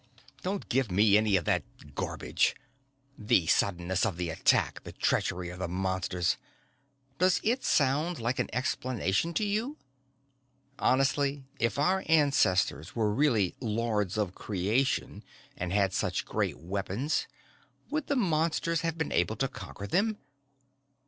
"Don't give me any of that garbage! The suddenness of the attack, the treachery of the Monsters does it sound like an explanation to you? Honestly? If our ancestors were really Lords of Creation and had such great weapons, would the Monsters have been able to conquer them?